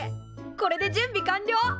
これで準備完了！